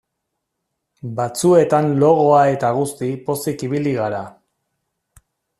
Batzuetan logoa eta guzti pozik ibili gara.